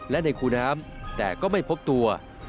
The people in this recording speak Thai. และในคูน้ำแต่ก็ไม่พบตัว